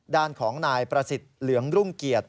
ด้านของนายประสิทธิ์เหลืองรุ่งเกียรติ